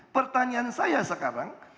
pertanyaan saya sekarang